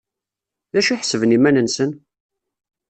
D acu i ḥesben iman-nsen?